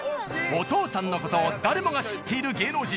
お父さんのことを誰もが知っている芸能人